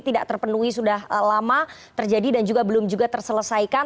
tidak terpenuhi sudah lama terjadi dan juga belum juga terselesaikan